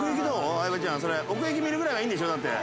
相葉ちゃん。奥行き見るぐらいはいいんでしょ。